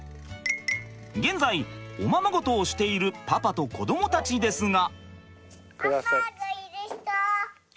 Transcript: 現在おままごとをしているパパと子どもたちですが。